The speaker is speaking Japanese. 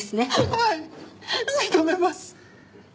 はい認めます。